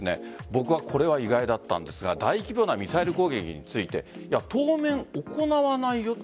僕はこれが意外だったんですが大規模なミサイル攻撃について当面行わないよ。